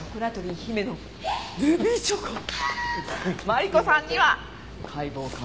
マリコさんには解剖鑑定書。